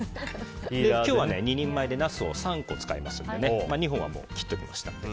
今日は２人前でナスを３個使いますので２本は切っておきました。